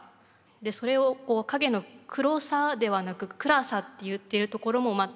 それを影の黒さではなく暗さって言ってるところもまたよくて。